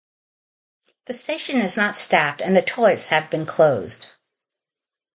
The station is not staffed and the toilets have been closed.